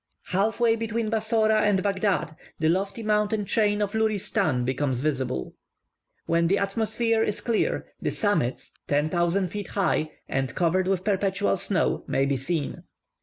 Half way between Bassora and Baghdad, the lofty mountain chain of Luristan becomes visible. When the atmosphere is clear, the summits, 10,000 feet high, and covered with perpetual snow, may be seen.